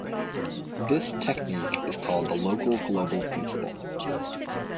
This technique is called the local-global principle.